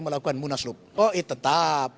melakukan munaslup oh iya tetap